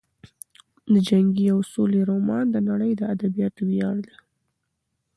د جګړې او سولې رومان د نړۍ د ادبیاتو ویاړ دی.